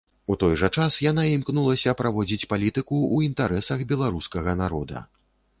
У той жа час яна імкнулася праводзіць палітыку ў інтарэсах беларускага народа.